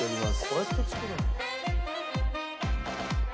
こうやって作るんだ。